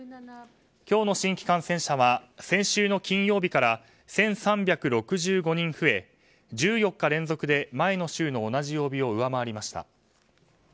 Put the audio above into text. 今日の新規感染者は先週の金曜日から１３６５人増え１４日連続で前の週の同じ曜日を上回りました。